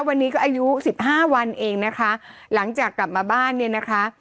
วันนี้ก็อายุสิบห้าวันเองนะคะหลังจากกลับมาบ้านเนี่ยนะคะ